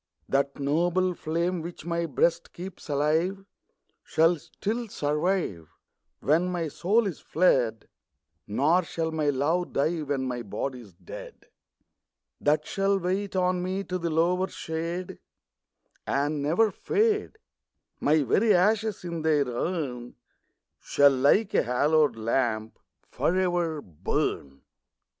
That noble flame, which my Ijreast keeps alive. Shall still survive Wlien my soul's fled ; Nor shall my love die, when ray Ijody's dead ; That shall wait on me to the lower shade, And never fade : My very ashes in their urn Shall, like a hallowed lamp, for ever burn.